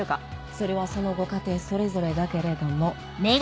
それはそのご家庭それぞれだけれども。